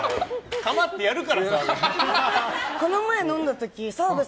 構ってやるからさ。